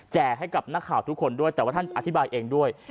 ให้กับนักข่าวทุกคนด้วยแต่ว่าท่านอธิบายเองด้วย